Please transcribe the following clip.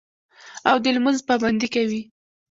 او د لمونځ پابندي کوي